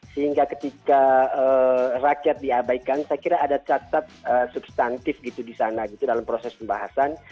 sehingga ketika rakyat diabaikan saya kira ada catat substantif gitu di sana gitu dalam proses pembahasan